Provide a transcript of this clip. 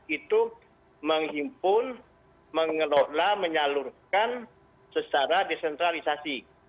itu menghimpun mengelola menyalurkan secara desentralisasi